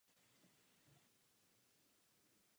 Již bylo řečeno, že blížící se krizi agentury nezaznamenali.